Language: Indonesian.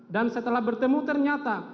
dan setelah bertemu ternyata